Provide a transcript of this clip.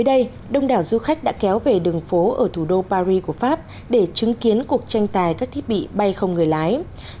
mới đây đông đảo du khách đã kéo về đường phố ở thủ đô paris của pháp để chứng kiến cuộc tranh tài các thiết bị bay không người lái